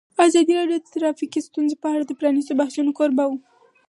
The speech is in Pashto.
ازادي راډیو د ټرافیکي ستونزې په اړه د پرانیستو بحثونو کوربه وه.